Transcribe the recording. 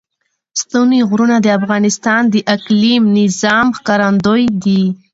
ستوني غرونه د افغانستان د اقلیمي نظام ښکارندوی ده.